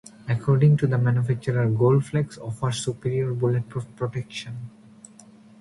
According to the manufacturer Gold Flex offers superior bulletproof protection.